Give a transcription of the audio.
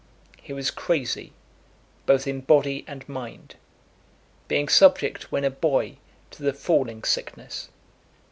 He was crazy both in body and mind, being subject, when a boy, to the falling sickness.